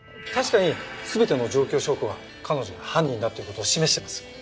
確かに全ての状況証拠は彼女が犯人だって事を示してます。